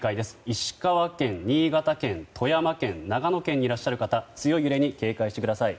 石川県、新潟県、富山県長野県にいらっしゃる方強い揺れに警戒してください。